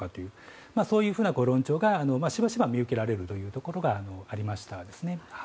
そういうふうな論調がしばしば見受けられるところがありましたね。